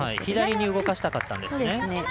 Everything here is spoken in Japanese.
左に動かしたかったんですね。